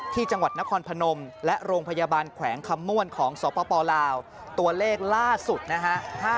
ที่จังหวัดนครพนมและโรงพยาบาลแขวงคำม่วนของสปลาวตัวเลขล่าสุดนะฮะ